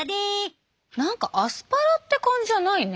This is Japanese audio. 何かアスパラって感じじゃないね。